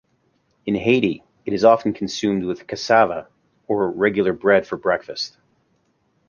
In Haiti, it is often consumed with cassava or regular bread for breakfast.